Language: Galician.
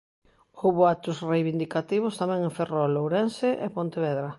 Houbo actos reivindicativos tamén en Ferrol, Ourense e Pontevedra.